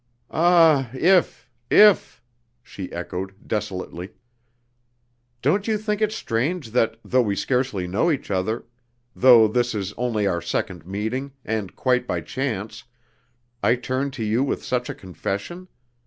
"Ah, if if!" she echoed, desolately. "Don't you think it strange that, though we scarcely know each other though this is only our second meeting, and quite by chance, I turn to you with such a confession?